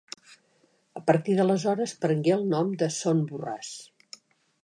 A partir d'aleshores prengué el nom de Son Borràs.